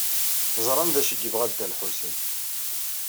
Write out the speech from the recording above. Ẓran d acu ay yebɣa Dda Lḥusin.